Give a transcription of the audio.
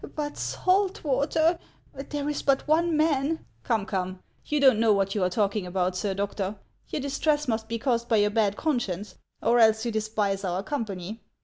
But salt water — There is but one man —"" Come, come, you don't know what you are talking about, sir doctor ; your distress must be caused by your bad conscience, or else you despise our company."